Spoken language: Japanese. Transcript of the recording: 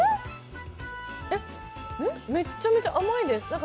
めっちゃめちゃ甘いです。